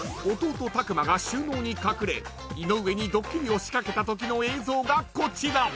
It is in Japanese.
弟拓真が収納に隠れ井上にドッキリを仕掛けたときの映像がこちら］